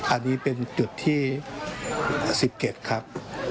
อันนี้เป็นจุดที่๑๗ครับ